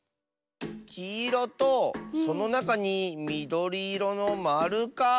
きいろとそのなかにみどりいろのまるか。